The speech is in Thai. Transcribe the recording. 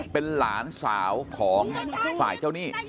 เป็นหลานสาวของฝ่ายเจ้าหนี้